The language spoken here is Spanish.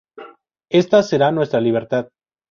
Esta será nuestra libertad.